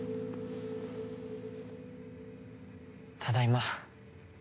ただいま。